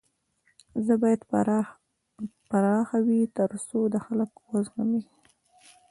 زړه بايد پراخه وي تر څو د خلک و زغمی.